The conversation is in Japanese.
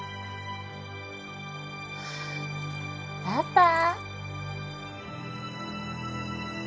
パパ？